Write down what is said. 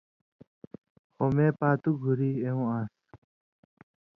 خو مے پاتُو گُھری اېوں آن٘س۔